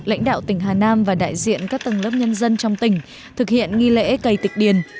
lãnh đạo tỉnh hà nam và đại diện các tầng lớp nhân dân trong tỉnh thực hiện nghi lễ cây tịch điền